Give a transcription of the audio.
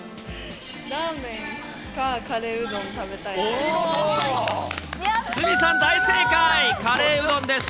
ラーメンかカレーうどん食べたいです。